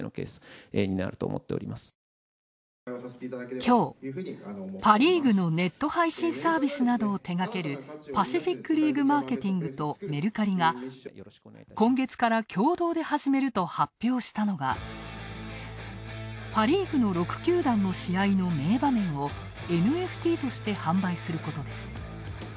きょう、パ・リーグのネット配信サービスなどを手がけるパシフィックリーグマーケティングとメルカリが今月から共同で始めると発表したのがパ・リーグの６球団の試合の名場面をＮＦＴとして販売することです。